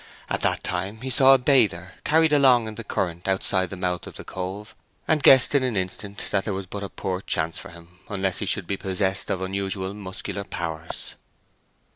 At that time he saw a bather carried along in the current outside the mouth of the cove, and guessed in an instant that there was but a poor chance for him unless he should be possessed of unusual muscular powers.